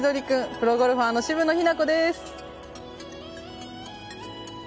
プロゴルファーの渋野日向子です。